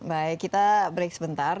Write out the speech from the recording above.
baik kita break sebentar